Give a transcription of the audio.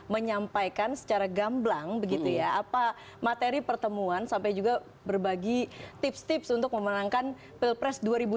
menyampaikan secara gamblang materi pertemuan sampai juga berbagi tips tips untuk memenangkan pilpres dua ribu sembilan belas